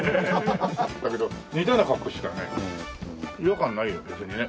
だけど似たような格好してたからね違和感ないよ別にね。